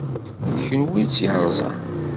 D kenwi i tt-yeṛẓan.